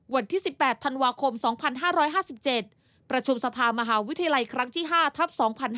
วันที่๑๘ธันวาคม๒๕๕๗ประชุมสภามหาวิทยาลัยครั้งที่๕ทัพ๒๕๕๙